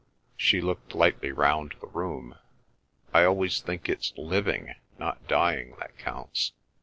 She looked lightly round the room. "I always think it's living, not dying, that counts.